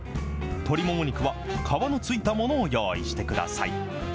鶏もも肉は皮のついたものを用意してください。